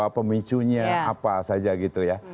pemicunya apa saja gitu ya